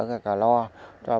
và lo cho bà con